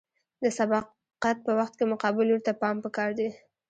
د سبقت په وخت کې مقابل لوري ته پام پکار دی